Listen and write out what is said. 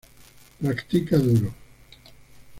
Practica duro.